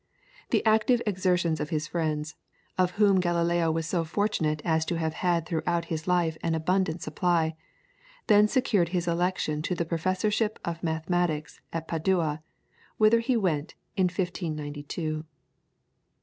The active exertions of his friends, of whom Galileo was so fortunate as to have had throughout his life an abundant supply, then secured his election to the Professorship of Mathematics at Padua, whither he went in 1592. [PLATE: PORTRAIT OF GALILEO.